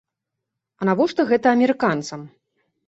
А навошта гэта амерыканцам?